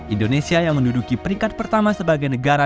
indonesia yang menduduki peringkat pertama sebagai negara